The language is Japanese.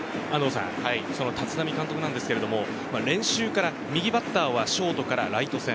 立浪監督は練習から右バッターはショートからライト線。